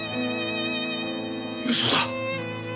嘘だ。